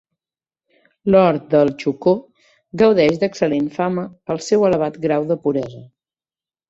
L'or del Chocó gaudeix d'excel·lent fama pel seu elevat grau de puresa.